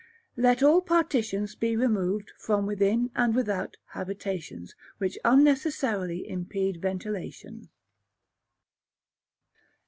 Let all Partitions he removed from within and without habitations, which unnecessarily impede ventilation.